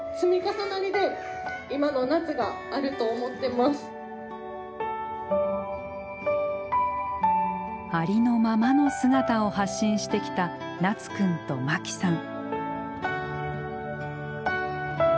脳に直接毎日ありのままの姿を発信してきたなつくんとまきさん。